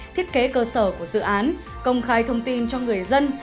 thiết kế cơ sở của dự án công khai thông tin cho người dân